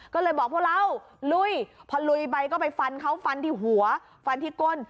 ก็เลยบอกพวกเราลุยพอลุยไปก็ไปฟันเขาฟันที่หัวฟันที่ก้น